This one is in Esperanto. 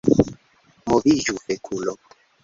Moviĝu fekulo